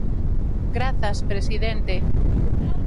Grazas, presidente.